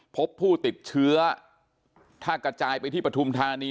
พบผู้ติดเชื้อถ้ากระจายไปที่ปฐุมธานี